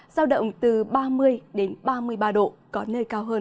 do động từ ba mươi ba mươi ba độ có nơi cao hơn